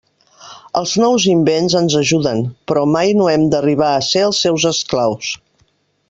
Els nous invents ens ajuden, però mai no hem d'arribar a ser els seus esclaus.